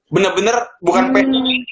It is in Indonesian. bener bener bukan penuh